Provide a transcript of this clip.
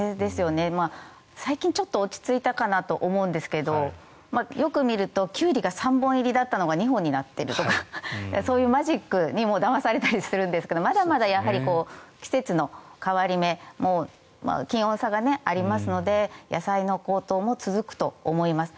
最近、ちょっと落ち着いたかなと思うんですがよく見るとキュウリが３本入りだったのが２本になっているとかそういうマジックにもだまされたりするんですがまだまだやはり季節の変わり目気温差がありますので野菜の高騰も続くと思います。